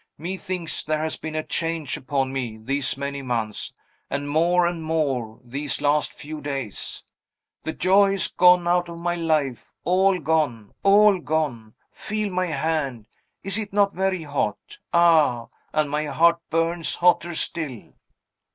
"Methinks there has been a change upon me, these many months; and more and more, these last few days. The joy is gone out of my life; all gone! all gone! Feel my hand! Is it not very hot? Ah; and my heart burns hotter still!"